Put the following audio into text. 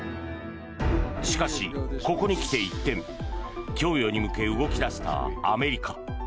しかしここに来て一転供与に向け動き出したアメリカ。